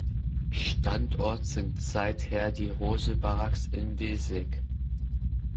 Standort sind seither die Rose Barracks in Vilseck.